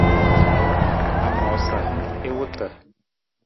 A moosa i wota.